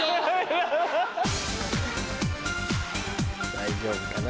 大丈夫かな？